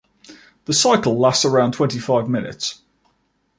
The cycle lasts around twenty-five minutes.